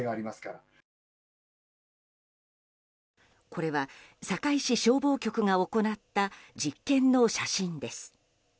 これは堺市消防局が行った実験の写真です。